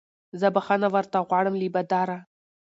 زه بخښنه ورته غواړم له باداره